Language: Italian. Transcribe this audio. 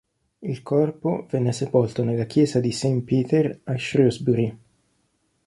Il corpo venne sepolto nella chiesa di St. Peter a Shrewsbury.